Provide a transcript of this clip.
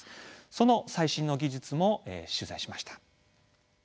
その最新の技術も取材しました。